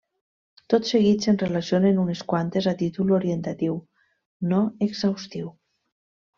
Tot seguit se'n relacionen unes quantes a títol orientatiu, no exhaustiu.